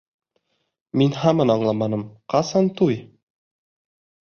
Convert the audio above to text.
Мин һаман аңламаным: ҡасан туй?